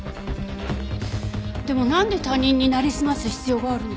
でもなんで他人になりすます必要があるの？